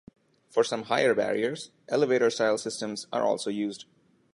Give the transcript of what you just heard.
For some higher barriers, elevator-style systems are also used.